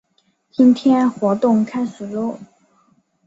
今天活动开始啰！